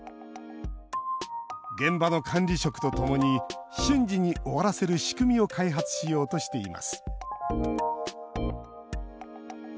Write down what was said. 現場の管理職とともに瞬時に終わらせる仕組みを開発しようとしています。